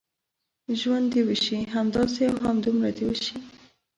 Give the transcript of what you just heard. ژوند دې وشي، همداسې او همدومره دې وشي.